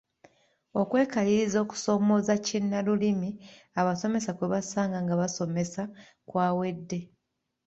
Okwekaliriza okusoomooza kinnalulimi abasomesa kwe basanga nga basomesa kwawedde.